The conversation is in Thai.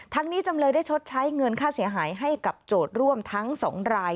นี้จำเลยได้ชดใช้เงินค่าเสียหายให้กับโจทย์ร่วมทั้ง๒ราย